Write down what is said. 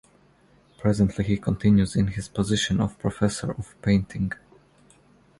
Presently he continues in his position of Professor of painting.